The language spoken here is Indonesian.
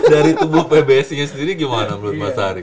dari tubuh pbsi nya sendiri gimana menurut mas ari